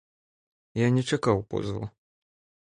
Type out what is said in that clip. Я не чакаў позву.